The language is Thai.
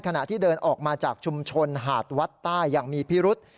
ขณะที่เดินออกมาจากชุมชนหาดวัดใต้อย่างมีพิรุษ